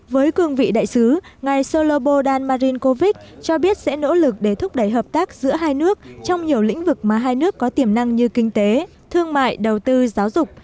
với cương vị đại sứ ngày solo bồ đàn marin kovic cho biết sẽ nỗ lực để thúc đẩy hợp tác giữa hai nước trong nhiều lĩnh vực mà hai nước có tiềm năng như kinh tế thương mại đầu tư giáo dục